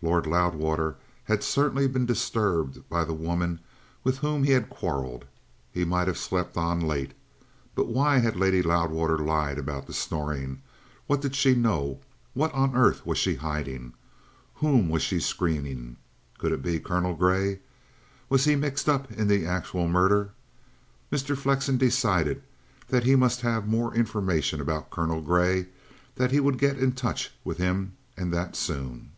Lord Loudwater had certainly been disturbed by the woman with whom he had quarrelled. He might have slept on late. But why had Lady Loudwater lied about the snoring? What did she know? What on earth was she hiding? Whom was she screening? Could it be Colonel Grey? Was he mixed up in the actual murder? Mr. Flexen decided that he must have more information about Colonel Grey, that he would get into touch with him, and that soon.